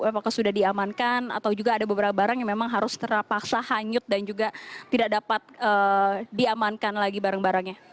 apakah sudah diamankan atau juga ada beberapa barang yang memang harus terpaksa hanyut dan juga tidak dapat diamankan lagi barang barangnya